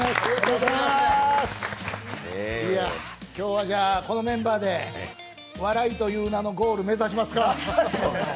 今日は、このメンバーで笑いという名のゴール目指しますか。